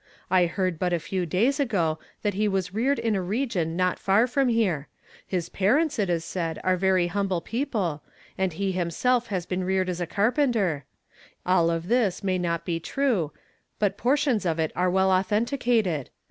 I heard but a few days ago that he was reared in a region not far from here. His parents, it is said, are \evy humble people, and he himself has Ijeen reared as a carpenter. All of this may not l>e true, but portions of it are well authenticated.